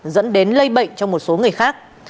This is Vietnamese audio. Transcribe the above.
dẫn đến lây bệnh cho một số người khác